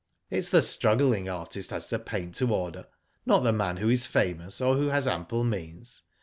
It is the struggling artist has to paint to order, not the man who is famous or who has ample means.